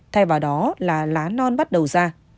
thay vào đó là lá non bắt đầu ra